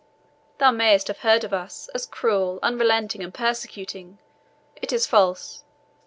Thou mayest have heard of us as cruel, unrelenting, and persecuting. It is false.